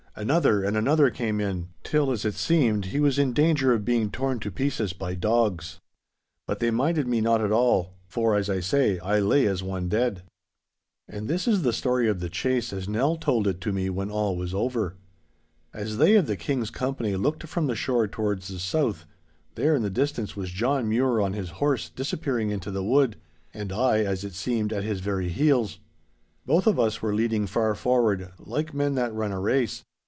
Another and another came in, till, as it seemed, he was in danger of being torn to pieces of dogs. But me they minded not at all, for (as I say) I lay as one dead. And this is the story of the chase as Nell told it to me when all was over. As they of the King's company looked from the shore towards the south, there in the distance was John Mure on his horse disappearing into the wood, and I (as it seemed) at his very heels. Both of us were leaning far forward, like men that run a race.